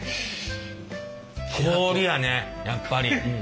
氷やねやっぱり。